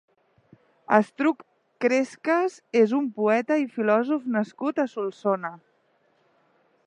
Astruc Cresques és un poeta i filòsof nascut a Solsona.